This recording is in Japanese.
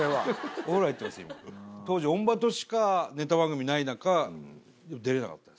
今当時『オンバト』しかネタ番組ない中出れなかったですね。